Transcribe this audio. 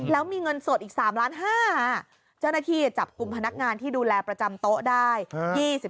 แล้วมีเงินสดอีก๓ล้าน๕เจ้าหน้าที่จับกลุ่มพนักงานที่ดูแลประจำโต๊ะได้